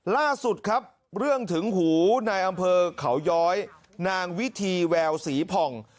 ล่าสุดครับเรื่องถึงหูในอำเภอเขาย้อยนางวิธีแววศรีผ่อง